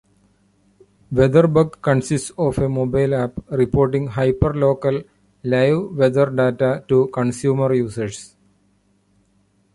WeatherBug consists of a mobile app reporting hyperlocal live weather data to consumer users.